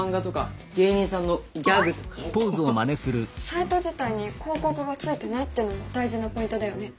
サイト自体に広告がついていないっていうのも大事なポイントだよね。